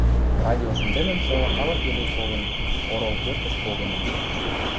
Радио шӹндӹмӹм сола халык йӹле колын, орол пӧртӹш погынен.